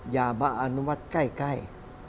อย่ามาอนุมัติใกล้